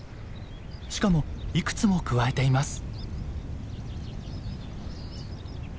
しかもいくつもくわえています。